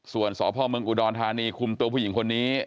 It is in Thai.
ส่วนสพเมืองอุดรธานีคุมตัวผู้หญิงคนนี้